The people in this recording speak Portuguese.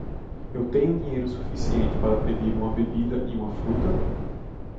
Eu tenho dinheiro suficiente para pedir uma bebida e uma fruta?